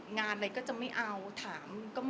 งานอะไรก็จะไม่เอา